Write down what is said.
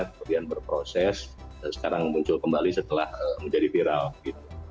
kemudian berproses sekarang muncul kembali setelah menjadi viral gitu